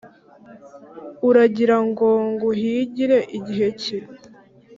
Uragira ngo nguhingire gihe ki ?